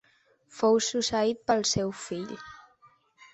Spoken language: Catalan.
Fou succeït pel seu fill.